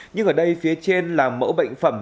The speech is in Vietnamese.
nhưng ở đây phía trên là mẫu bệnh phẩm